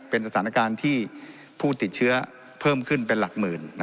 เป็นสถานการณ์ที่ผู้ติดเชื้อเพิ่มขึ้นเป็นหลักหมื่น